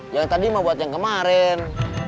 yang tadi mau buat yang kemarin